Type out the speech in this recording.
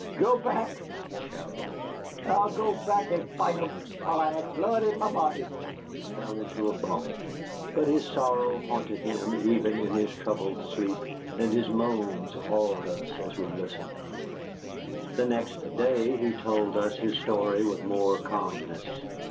"Go back!" he shouted, "I'll go back and fight 'em while I have blood in my body." He fell into a bunk, but his sorrow haunted him even in his troubled sleep, and his moans awed us as we listened. The next day he told us his story with more calmness.